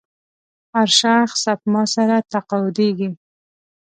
هر شخص سپما سره تقاعدېږي.